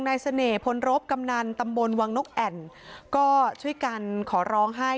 เสน่หพลรบกำนันตำบลวังนกแอ่นก็ช่วยกันขอร้องให้